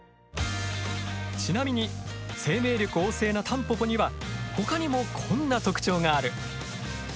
ちなみに生命力旺盛なタンポポにはほかにもこんな特徴がある。